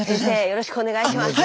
よろしくお願いします。